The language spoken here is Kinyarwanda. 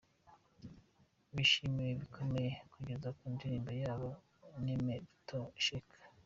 Bishimiwe bikomeye bageze ku ndirimbo yabo Nimetosheka.